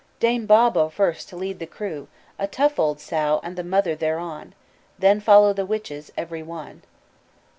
"Dame Baubo first, to lead the crew! A tough old sow and the mother thereon, Then follow the witches, every one."